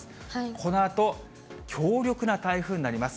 このあと、強力な台風になります。